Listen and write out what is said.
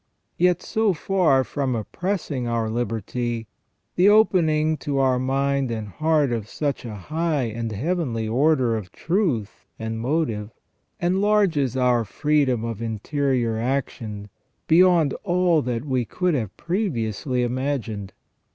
Yet, so far from oppressing our liberty, the opening to our mind and heart of such a high and heavenly order of truth and motive enlarges our freedom of interior action beyond all that we could have previously imagined.